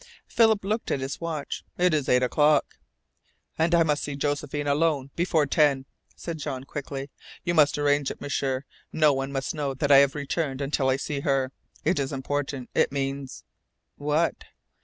Philip looked at his watch. "It is eight o'clock." "And I must see Josephine alone before ten," said Jean quickly. "You must arrange it, M'sieur. No one must know that I have returned until I see her. It is important. It means " "What?"